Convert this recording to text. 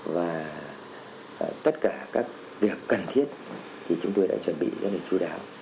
và tất cả các việc cần thiết thì chúng tôi đã chuẩn bị rất là chú đáo